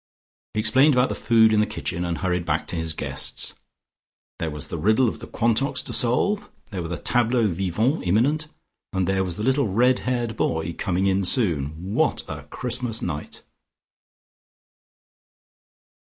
He explained about food in the kitchen and hurried back to his guests. There was the riddle of the Quantocks to solve: there were the tableaux vivants imminent: there was the little red haired boy coming in soon. What a Christmas night!